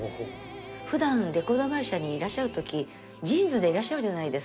「ふだんレコード会社にいらっしゃる時ジーンズでいらっしゃるじゃないですか。